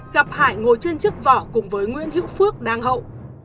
gặp hải ngồi trên chiếc vỏ cùng với nguyễn hữu phước đang hậu